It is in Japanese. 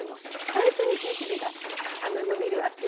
最初にめしべが伸びるわけ。